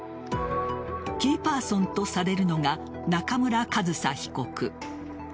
キーパーソンとされるのが中村上総被告。